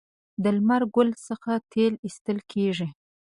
د لمر ګل څخه تیل ایستل کیږي.